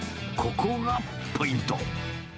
ここがポイント。